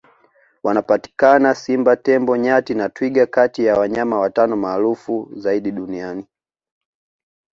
wanapatikana simba tembo nyati na twiga kati ya wanyama watano maarufu zaidi duniani